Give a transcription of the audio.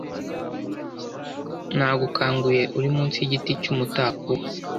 Nagukanguye uri munsi y igiti cy umutapuwa